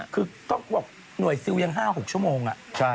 คือต้องบอกหน่วยซิลยัง๕๖ชั่วโมง